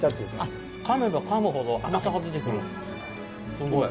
すごい。